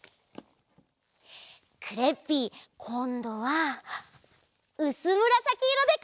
クレッピーこんどはうすむらさきいろでかいてみる！